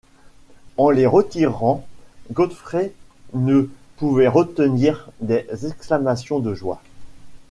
En les retirant, Godfrey ne pouvait retenir des exclamations de joie!